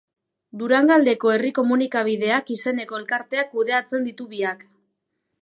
Durangaldeko Herri Komunikabideak izeneko elkarteak kudeatzen ditu biak.